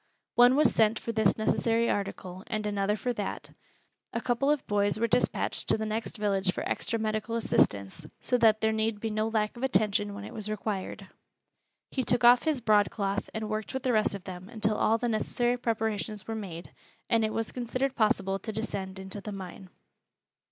One was sent for this necessary article and another for that. A couple of boys were dispatched to the next village for extra medical assistance, so that there need be no lack of attention when it was required. He took off his broadcloth and worked with the rest of them until all the necessary preparations were made, and it was considered possible to descend into the mine.